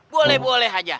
boleh boleh aja